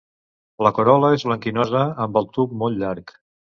La corol·la és blanquinosa, amb el tub molt llarg.